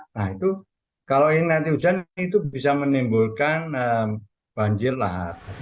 nah itu kalau ini nanti hujan itu bisa menimbulkan banjir lah